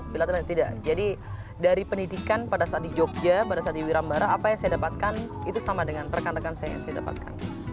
bilateral tidak jadi dari pendidikan pada saat di jogja pada saat di wirambara apa yang saya dapatkan itu sama dengan rekan rekan saya yang saya dapatkan